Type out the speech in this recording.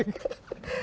kita break dulu